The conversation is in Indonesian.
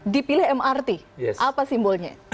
dipilih mrt apa simbolnya